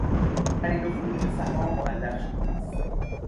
خرید و فروش سهام معلق شده است.